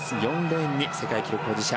４レーンに世界記録保持者